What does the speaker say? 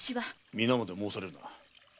皆まで申されるな。